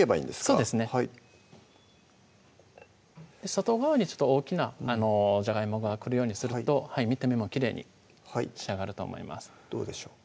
外側に大きなじゃがいもが来るようにすると見た目もきれいに仕上がると思いますどうでしょう？